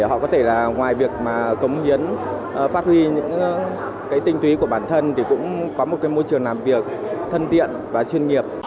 họ có thể là ngoài việc cống hiến phát huy những tinh túy của bản thân thì cũng có một cái môi trường làm việc thân thiện và chuyên nghiệp